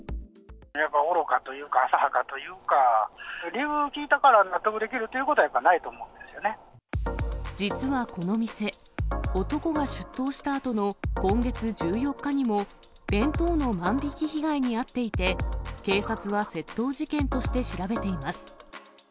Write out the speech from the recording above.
愚かというか、浅はかというか、理由を聞いたから納得できるということはやっぱりないと思うんで実はこの店、男が出頭したあとの今月１４日にも弁当の万引き被害に遭っていて、警察は窃盗事件として調べています。